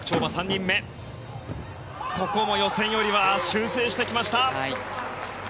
ここも予選よりは修正してきました。